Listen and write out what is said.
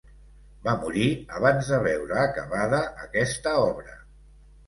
Va morir abans de veure acabada aquesta obra.